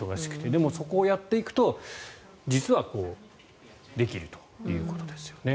でもそこをやっていくと実はできるということですね。